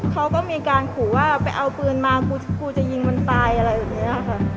เขาก็มีการขู่ว่าไปเอาปืนมากูจะยิงมันตายอะไรแบบนี้ค่ะ